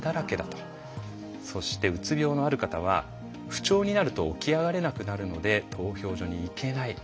そしてうつ病のある方は「不調になると起き上がれなくなるので投票所に行けない」。